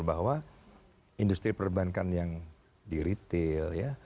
bahwa industri perbankan yang di retail ya